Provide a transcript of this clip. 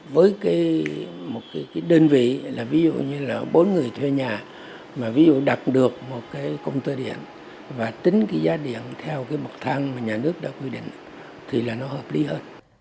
với một cái đơn vị là ví dụ như là bốn người thuê nhà mà ví dụ đặt được một cái công tơ điện và tính cái giá điện theo cái mộc thang mà nhà nước đã quy định thì là nó hợp lý hơn